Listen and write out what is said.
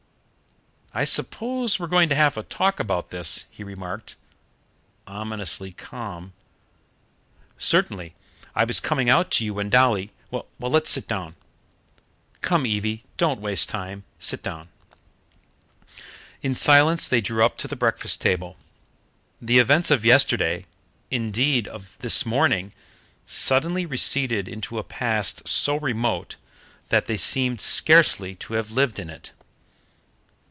"I suppose we're going to have a talk about this?" he remarked, ominously calm. "Certainly. I was coming out to you when Dolly " "Well, let's sit down." "Come, Evie, don't waste time, sit down." In silence they drew up to the breakfast table. The events of yesterday indeed, of this morning suddenly receded into a past so remote that they seemed scarcely to have lived in it.